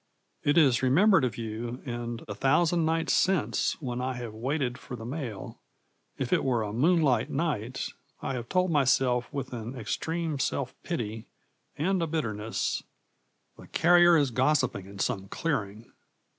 It is remembered of you, and a thousand nights since when I have waited for the mail, if it were a moonlight night, I have told myself with an extreme self pity and a bitterness, 'The carrier is gossiping in some clearing.'